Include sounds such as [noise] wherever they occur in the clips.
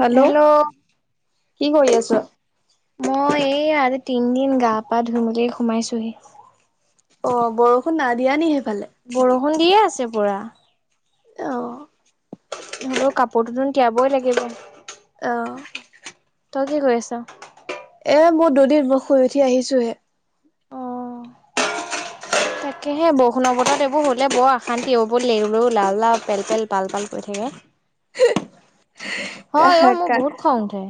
Hello, কি কৰি আছ? মই এই আজি তিনদিন গা পা ধুই মেলি সোমাইছোঁহি। অ বৰষুণ নাই দিয়া নেকি সেইফালে? বৰষুণ দিয়ে আছে পুৰা। অহ। হলেও কাপোৰ দুতোন তিয়াবই লাগিব। অঁহ। তই কি কৰি আছ? এ মোৰ দুদিন মই শুই উঠি আহিছো হে। অ'। তাকেহে বৰষুণৰ বত এইবোৰ হ'লে বৰ আশান্তিওবোৰ লেৰু লেও লাল লাল পেল পেল পাল পাল কৈ থাকে। [unintelligible] [unintelligible] মোৰ ক বহুত খং উঠে।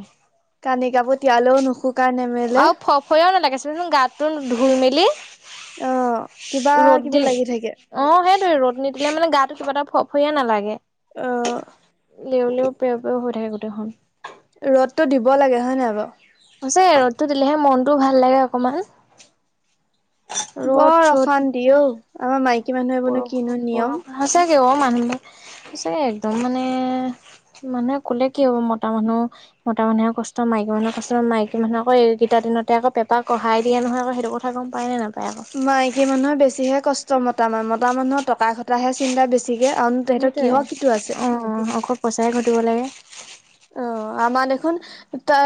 কানি কাপোৰ তিয়ালেও নুখু কাই নে মে- আৰু ফ ফও নালাগেছিলচোন গাতটো ধুই মেলি। অ' কিবা ৰ'দ কিবি দিন- লাগি থাকে। অ সেইটোৱে ৰ'দ নিদিলে মানে গাটো কিবা এটা ফ ফৰিয়ে নালাগে। অঁ লেওলেও প্ৰেও প্ৰেও হৈ থাকে গোটেইখন। ৰ'দতটো দিব লাগে হয়ে নহাই বাৰু সচাকে ৰ'দতো দিলেহে মনতো ভাল লাগে অকনমান। বৰ চ'দ অশান্তি নাই অঔ আমাৰ মাইকী মানুহে বনো কিনো নিয়ম। সঁচাকৈ অ মানুহব সঁচাকে একদম মানে, মানুহেন কলে কি হব মতা মানুহ মতা মুহে কষ্ট মাইকী মানুহে কষ্ট মকী মানুহ আকৌ এইকেইটা দিনতে আক পেপাকঢ়াই দিয় নহয় আক সেইটো, গম পাই নাপাই, মাইকী মানুহে বেছিহে কষ্ট মতা মতা মানুহৰ টকা ঘটা হে চিন্তা বেছিকে আৰুনো তেহেতৰ কিহৰ কিটো আছে। অঁ অকল পইচাহে ঘটিব লাগে। অ আমাৰ দেখোন ত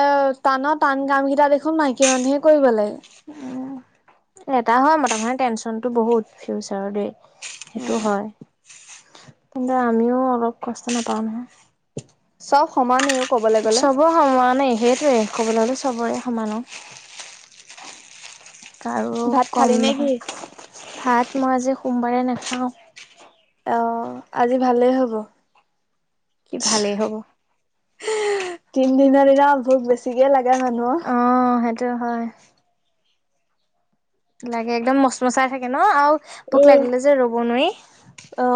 টানৰ টান কাম কেইটা দেখোন মাইকী মানুহে কৰিব লাগে। এটা হয় মতা মানুহ টেনচনতটো বহুত ফিউচাৰ দেই সেইটো উম হয়। কিন্তু আমিও অলপ কষ্ট নাপাও নহয়। চব সমানেইও কবলে গলে। খব সমানেই সেইটোৱে ক'বলে গ'লে চবৰে সমানেই, কাৰো ভাত খালি কম নে নহয় কি? ভাত মই আজি সোমবাৰে নাখাওঁ। অ আজি ভালেই হ'ব। কি ভালেই হ'ব। তিনদিনৰ দিনা ভোক বেছিকে লাগে মানুহ। অ সেইটো হয়। লাগে একদম মচ মচাই থাকে ন আৰু ভোক উম। লাগিলে যে ৰ'ব নোৱাৰি। অ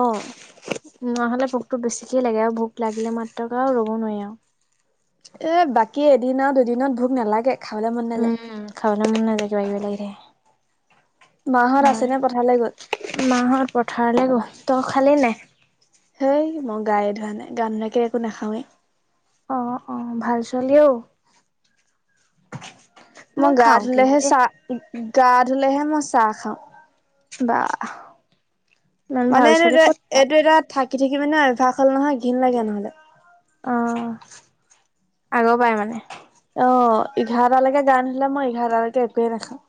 নোৱা হ'লে ভোকটো বেছিকে লাগে আৰু ভোক লাগিলে মাত্ৰক আৰু ৰ'ব নোৱাৰি আৰু এ বাকী এদিন আৰু দুদিনত ভোক নালাগে খাবলৈ মন নাযায়। উম খাবলৈ মন নাজাই গেকিবা কিবি লাগি থাকে। মাহত আছেনে পঠালে গ'ল। মাহত পথাৰলে গল তই খালি নাই। হেই মই গায়েই ধোৱা নাই গা নোধোৱাকে একো নাখাওৱে, অ অ ভাল ছোৱালী অ, মই গা খাওঁ কিন্তু ধুলেহে দেই। চাহ গা ধুলেহে মই চাহ খাওঁ, বাহ, মানে এনে পায়। এইটো এটা থাকি থাকি মানে অভ্যাস হ'ল নহয় ঘিন লাগে নহ'লে। অ আগৰ পাই মানে। অ এঘাৰটালৈকে গানোধোলে মই এঘাৰটালৈকে একোৱে নাখাওঁ।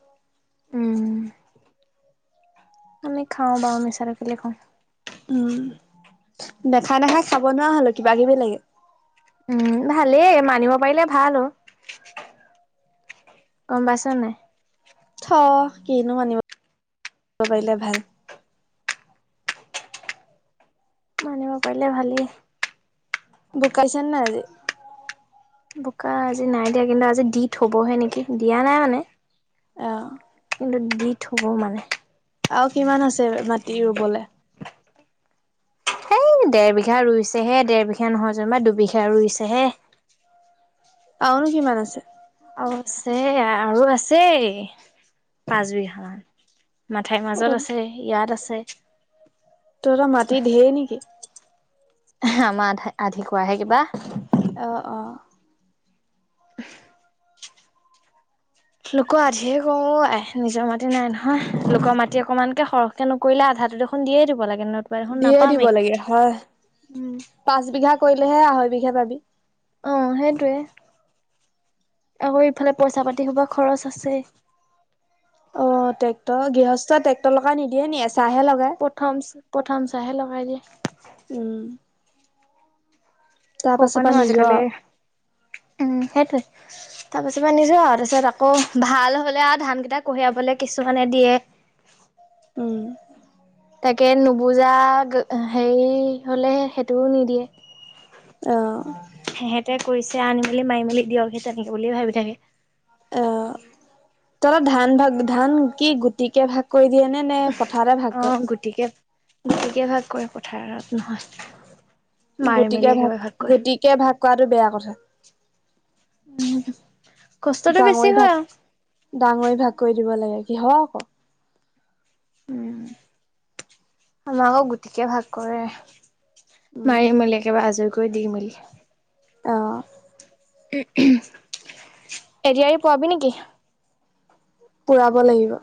উম আমি খাওঁ বাৰু মিছা নো কেলে কও, উম নেখাই নেখাই খাব নোৱাৰা হলো কিবা কিবি লাগে। উম ভালেই মানিব পাৰিলে ভাল অ, গম পাইছ নাই। থ কিনো মানিব পাৰিলে ভাল। মানিব পাৰিলে ভালেই, বুকাইছে নাই আজি। বোকা আজি নাই দিয়া কিন্তু আজি দি থ'বহে নেকি দিয়া নাই মানে। অঁ, কিন্তু দি থব মানে। আৰু কিমান আছে মাটি ৰুবলে? সেই ডেৰ বিঘা ৰুইছেহে ডেৰ বিঘা নহয় যেনিবা দুবিঘা ৰুইছেহে। আওনো কিমান আছে? আৰু আছে আৰু আছেই পাঁচ বিঘা মান। মাথাইৰ মাজত আছে তহঁতৰ ইয়াত আছে। তহতৰ মাটি ঢেই নিকি। আমাৰ আধা আধি কোৱা হে কিবা। অঁ অঁ। লোকৰ আধিয়ে কৰো আই নিজৰ মাটি নাই নহয় লোকৰ মাটি অকণমানকে সৰহ কনো কৰিলে আধাটো দেখোন দিয়ে দিব লাগে ন দিয়ে দিব লাগে হয় উম পাঁচ বিঘা কৰিলেহে আঢ়ৈ বিঘা পাবি। অঁ সেইটোৱে আকৌ ইফালে পইচা পাতি হোপা খৰচ আছেই। অ ট্ৰেক্টৰ গৃহস্থ ট্ৰেক্টৰ লগাই নিদিয়ে নি এচাহে লগাই। প্ৰথমচ প্ৰথম চাহে লগাই দিয়ে। উম। তাৰ পাছৰ হপানো পৰা আজি নিজৰ কালি উম সেইটোৱে। তাপিছপা নিজ আৰু তাৰপিছত আকৌ ভাল হলে আৰু ধান কেইটা কঢ়িয়াবলে কিছুমানে দিয়ে। উম। তাকে নুবুজা গ হেৰি হলে সেইটোও নিদিয়ে। অঁ। সেহেঁতে কৰিছে আনি মেলি মাৰি মেলি দিয়ক সি তেনেকে বুলিয়ে ভাবি থাকে। অঁ তলত ধান ভাগ ধান কি গুটিকে ভাগ কৈ দিয়ে নে নে পথাৰতে ভাগ কয়ে। তিকে গোতিকে ভাগ কৰে পথাৰত নহয়। মাৰি মেলি গূতিকে ভাগ একেবাৰে কৰে গতিকে ভাগ কৱাটো বেয়া কথা। কষ্টটো বেছি ডাঙৰি ভাগ হয় আৰু। ডাঙৰি ভাগ কৰি দিব লাগে কি হয় অ'ক। উম আমাকৌ গোতিকে ভাগ কৰে। উম মাৰি মেলি একেবাৰে আজৰি কৰি দি মেলি। অ। এডিআৰি পোৱাবি নিকি। পুৰাব লাগিব।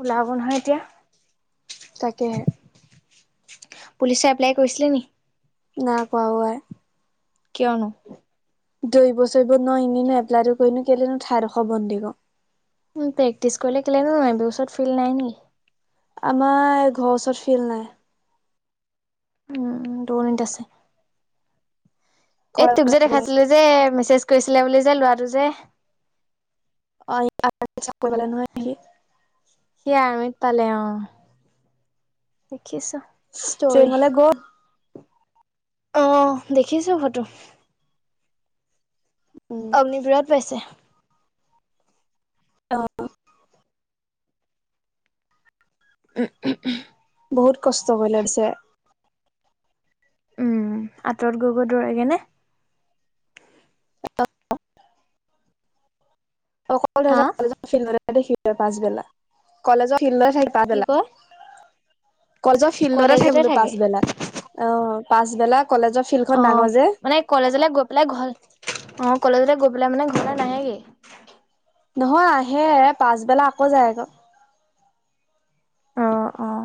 ওলাব নহয় এতিয়া। তাকেহে। পুলিচৰ এপ্লাই কৰিছিলি নি। না কৱাও আয়। কিয়নো? দৈব চৈব ন এনি নো এপলাইটো কৰিনো কেলেনো ঠাৰোদোখ বন্দী কওঁ। উম প্ৰেক্টিছ কৰিলে কেলে নো নোৱাইবি ওচৰত ফিল নাই নি। আমাৰ ঘ ওচৰত ফিল্ড নাই। দোৰণিত আছে এই তোক যে দেখাইছিলো যে মেছেজ কৈছিলে বুলি যে লৰাটো যে, [unintelligible] সি আৰমিত পালে, অ'! দেখিছ? ট্ৰেইনলে গ' অ'! দেখিছোঁ ফটো। উম! [unintelligible] পাইছে। অ' অ'! উম, ওহোঁ! বহুত কষ্ট কৰি, লৈছে! উম, আঁতৰত গৈ-গৈ দৌৰেগে নে? [unintelligible] সকলো, হা হেঁতৰ কলেজৰ ফিল্ডতে দেখিবি পাছবেলা। কলেজৰ ফিল্ড থা কি কয়? কলেজৰ ফিল্ডতে কলেজতে থাকিব থাকে পাছবেলা, অ'! পাছবেলা কলেজৰ ফিল্ডখন ডাঙৰ অ'! যে মানে, কলেজলে গৈ পেলাই ঘৰ, অ'! কলেজলে গৈ পেলাই মানে, ঘৰলৈ নাহেগে? নহয়, আহে। পাছবেলা আকৌ যায় আকৌ। অ' অ'!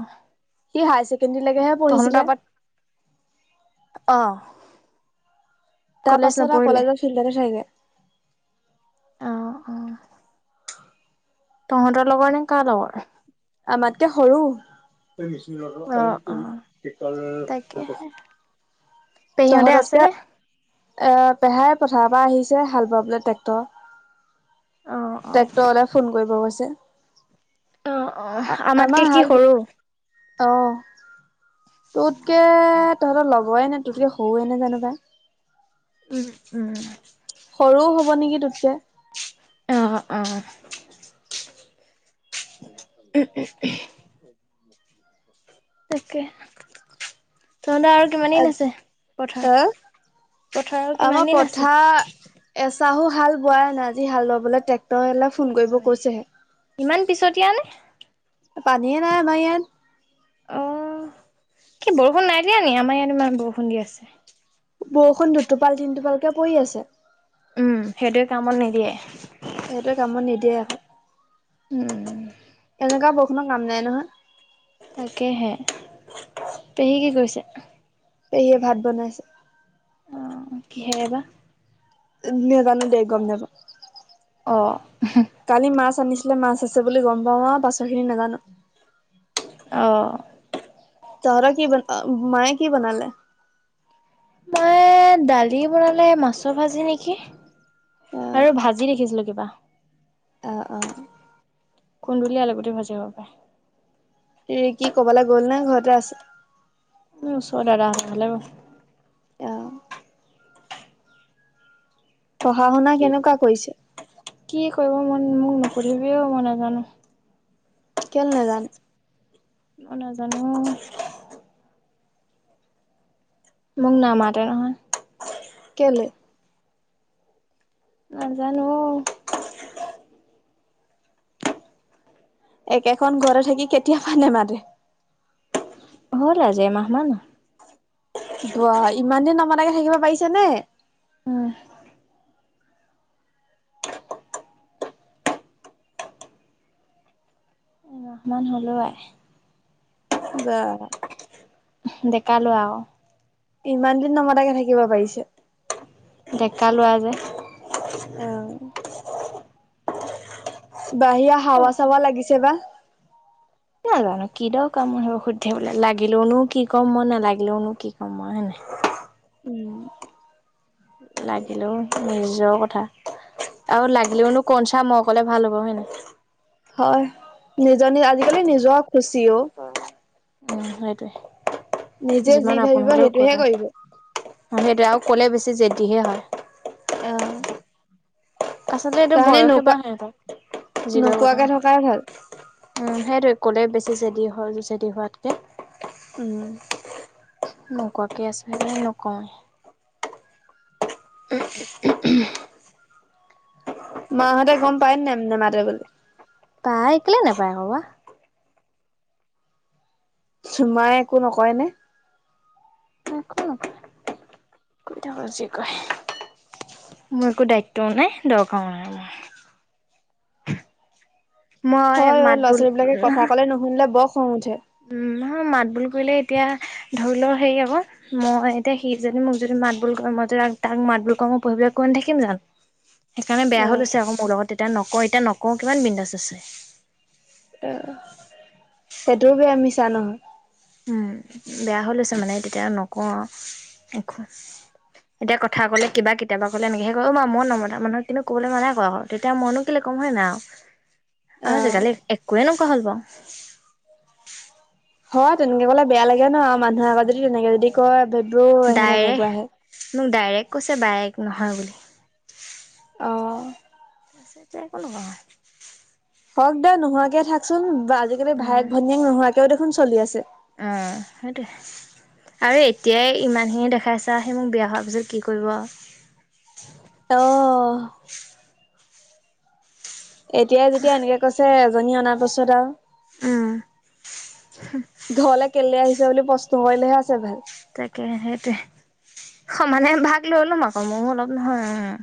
সি হায়াৰ ছেকেণ্ডাৰী লৈকেহে তহঁতৰ তাৰপৰা, অ'! কলেজ তাৰপাছত আৰু নপঢ়িলে কলেজৰ ফিল্ডতে থাকেগে। অ' অ'! তহঁতৰ লগৰ নে, কাৰ লগৰ? আমাতকে সৰু। অ অ তাকেহে [unintelligible] পেহীহঁতে তহঁততকে আছেনে? এ, পেহাই পথাৰৰ পৰা আহিছে, হাল বাবলে টেক্টৰ। অ অ টেক্টৰলে ফোন কৰিব কৈছে। অ অ আমাতকে আমাৰ কি হাল সৰু অ'! তোতকে, তহঁতৰ লগৰে নে তোতকে সৰুৱে নে, জানোঁ পাই! উম, উম। সৰু হ'ব নেকি তোতকে। অ' অ'! [inaudible] [unintelligible] [inaudible] তাকে, [unintelligible] তহঁতৰ আৰু কিমান দিন আছে পথাৰ, আহ পথাৰ আৰু আমাৰ কিমান দিন আছে? পথাৰ এচাহো হাল বোৱাই নাই। আজি, হাল বাবলে টে [unintelligible] ইমান পিছতিয়া নে? পানীয়ে নাই, আমাৰ ইয়াত। অ'! কি বৰষুণ নাই দিয়া নি? আমাৰ ইয়াত ইমান বৰষুণ দি আছে। বৰষুণ, দুটোপাল-তিনিটোপালকে পৰি আছে। উম! সেইটোৱে কামত নিদিয়ে। সইটোৱে, কামত নিদিয়ে আকৌ। উম, উম। এনেকুৱা বৰষুনঅ কাম নাই নহয় তাকেহে, পেহী কি কৰিছে? পেহীয়ে ভাত বনাইছে অ কিহে বা নাজানো দেই গম নাপাওঁ অ কালি মাছ আনিছিলে মাছ আছে বুলি গম পাওঁ পাছৰ খিনি নাজানো অ তহঁত কি ব মায়ে কি বনালে? মায়ে দালি বনালে, মাছৰ ভাজি নেকি অ', আৰু ভাজি দেখিছিলো কিবা অঁ অঁ কুন্দুলি, আলুগুটি ভাজি হব পাৰে কি ক'বলে গ'ল নে ঘৰতে আছে? এ ওচৰ দাদাহঁতৰ ঘৰলে গল অ পঢ়া-শুনা কি কেনেকুৱা কৰিছ? কি কৰিব মন মোক নুসুধিবিও মই নাজানো কেলে নেজান অ নেজানো অ মোক নামাতে নহয় কেলে? নাজানো অ একেখন ঘৰতে থাকি কেতিয়াপা নেমাতে হ'ল আজি এমাহ মান বাঃ ইমান দিন নমতাকে থাকিব পাৰিছে নে হয় হয় ৰহমান হ'লোৱাই বেয়া ডেকা ল'ৰা আৱ ইমান দিন নমতাকে থাকিব পাৰিছে ডেকা লৱা যে অ বাহিৰা অ হাৱা চাৱা লাগিছে বা নাজানো কি দ কা মোৰ সেইবোৰ শুধি থাকিবলে লাগিলেওনো কি ক'ম মই, নালাগিলেওনো কি ক'ম মই হয় নাই উম লাগিলেও নিজৰ কথা আৰু লাগিলেওনো কন চা মই কলে ভাল হ'ব হয় নায় হয় নিজ নি আজিকালি নিজৰ খুচি ঔ। উম সেইটোৱে নিজে যি যিমান আপোন ভাবিব হলেও সেইটোহে কলা কৰিব অ সেইটোৱে আৰু ক'লে বেছি জেদিহে হয় অ আচলতে এইটো তাহানি বয়সে নোকোৱা বাও সিহঁত যি কৰে কৰি নোকোৱাকে থাকক থকাই ভাল উম সেইটোৱে ক'লে বেছি জেদি হয় জেদি হোৱাতকে উম নোকোৱাকে আছে নকয় [unintelligible] মাহঁতে গম পায় নে নেমাতে বুলি পাই কেলে নাপায় আকৌ বা চুমাই একো নকয় নে একো নকয় কৰি থাকক যি কয় মোৰ একো দায়িত্বও নাই দৰকাৰো নাই মোৰ। মই হয় অ মাত ল'ৰা ছোৱালী বিলাকে বোল কথা কলে নুশুনিলে বৰ খং উঠে। উম নহয় মাত বোল কৰিলে এতিয়া ধৰি লও হেৰি আকৌ। মই এতিয়া সি যদি মোক যদি মাত বুল কৰে মই টো তাক মাত বুল কৰোঁ পঢ়িবলৈ কৈ নথাকিম জান। সেইকাৰণে বেয়া অ হৈ লৈছে আকৌ মোৰ লগত তেতিয়া নকওঁ এতিয়া নকওঁ কিমান বিন্দাজ আছে। অ সেইটোও বেয়া মিছা নহয়। উম বেয়া হৈ লৈছে মানে তেতিয়া নকওঁ আও একো। এতিয়া কথা কলে কিবা কেতিয়াবা ক'লে এনেকে কয় অ মা মই নমতা মানুহক কিন্তু ক'বলৈ মানা কৰে ক তেতিয়া মইনো। কেলে কম হয় না আৰু অ আজিকালি একোয়ে এনেকুৱা হল বাও। হয় তেনেকে কলে বেয়া লাগে ন মানুহে আগত যদি তেনেকে যদি কয় ভেব্ৰওহেন ডাইৰেক্ট তেনেকুৱা হে। মোক ডাইৰেক্ট কৈছে বাইক নহয় বুলি। অ। কৈছে যে এক নকওঁ হওঁক দে নোহোৱাকে থাকচোন আজিকালি ভায়েক ভনীয়েক নোহোৱাকেও দেখোন চলি আছে। অহ সেইটোৱে। আৰে এতিয়াই ইমানখিনিয়ে দেখাই আছা সি মোক বিয়া হোৱাৰ পিছত কি কৰিব। অ'। এতিয়াই যেতিয়া এনেকে কৈছে এজনী অনাৰ পাছত আও আৰু ঘৰলে কেলে আহিছে বুলি প্ৰশ্ন নকৰিলেহে আছে ভাল। তাকেহে সেইটোয়ে সমানে ভাগ লৈ লম আকৌ ময়ো অলপ নহয় উম।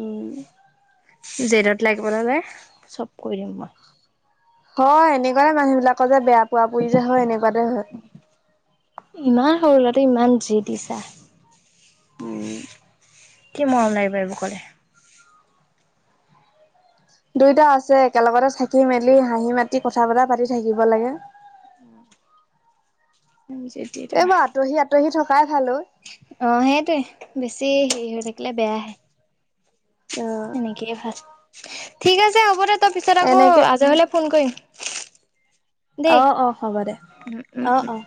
উম। জেদত লাগিব ললে, চব কৰি দিম মই। হয় এনেকুৱাতে মানুহ বিলাকৰ যে বেয়া পোৱা পুই যে হয় এনেকুৱাতে হয়। ইমান সৰু ল'ৰাতে ইমান জি দিছা। উম। কি মৰম লাগিব এই বোৰ ক'লে দুইটা আছে একেলগতে থাকি মেলি হাঁহি মাতি কথা বতা পাতি থাকিব লাগে উম ইজেপ [unintelligible] এইবা আঁতহি আঁতহি থকাই ভাল ঐ অ', সেইটোৱে বেছি হেৰি হৈ থাকিলে বেয়াহে। এনেকেই ভাল ঠিক আছে হ'ব দে তই পিছত আকৌ এনেকে আজি হলে ফোন কৰিম। দেই অ', অ', হ'ব দে উম উম অ উম অ',